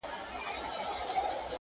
زما پګړۍ ده او ستا شال دی صدقې.